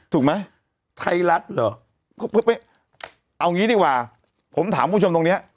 ถูกไหมไทยรัฐเหรอเพื่อไปเอางี้ดีกว่าผมถามคุณผู้ชมตรงเนี้ย